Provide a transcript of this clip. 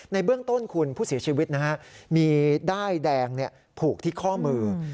ในเบื้องต้นคุณผู้เสียชีวิตนะฮะมีด้ายแดงผูกที่ข้อมือ